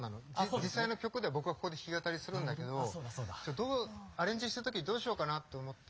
実際の曲では僕はここで弾き語りするんだけどアレンジした時どうしようかなと思って。